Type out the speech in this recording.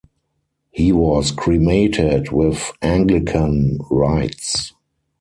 He was cremated with Anglican rites.